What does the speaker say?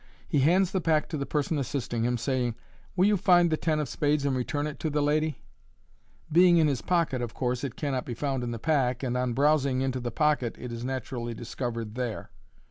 He hands the pack to the person assisting him, saying, * Will you find the ten of spades, and return it to the lady ?" Being in his pocket, of course it cannot be found in the pack, and on blowing into the pocket it is naturally discovered there.